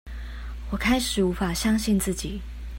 我開始無法相信自己